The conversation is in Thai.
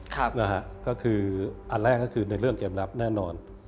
ก็คืออันแรกก็คือในเรื่องเกมรับแน่นอน